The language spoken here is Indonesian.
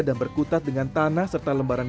dan berkutat dengan tanah serta lembaran